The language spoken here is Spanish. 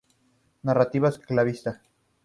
Narrativa esclavista